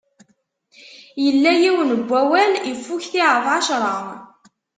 Illa yiwen n wawal, iffukti ɣef ɛecṛa.